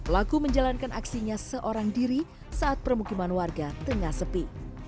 laku menjalankan aksinya seorang diri saat permukiman warga tengah sepi